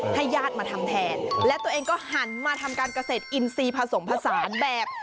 ญาติมาทำแทนและตัวเองก็หันมาทำการเกษตรอินทรีย์ผสมผสานแบบ